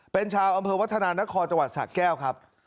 เป็นชาวอำเภววัฒนานครจสะแก้วครับ